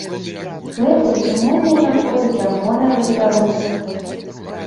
Гэта безумоўная нагода для гонару беларусаў.